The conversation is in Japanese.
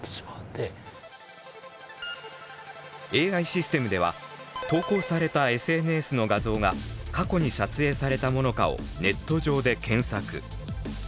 ＡＩシステムでは投稿されたＳＮＳの画像が過去に撮影されたものかをネット上で検索。